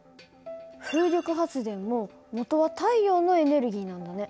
風力発電ももとは太陽のエネルギーなんだね。